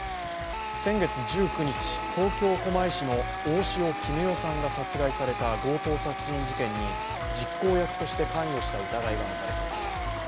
先月１９日、東京・狛江市の大塩衣与さんが殺害された強盗殺人事件に実行役として関与した疑いが持たれています。